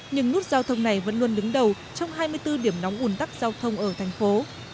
nhưng nút giao thông này vẫn luôn đứng đầu trong hai mươi bốn điểm nóng ủn tắc giao thông ở thành phố